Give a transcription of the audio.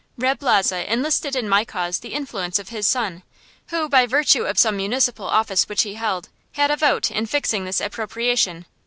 Reb' Lozhe enlisted in my cause the influence of his son, who, by virtue of some municipal office which he held, had a vote in fixing this appropriation.